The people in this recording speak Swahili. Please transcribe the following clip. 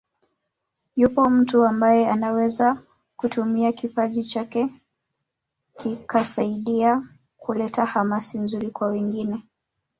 Yupo mtu ambaye anaweza kutumia kipaji chake kikasaidia kuleta hamasa nzuri kwa wengine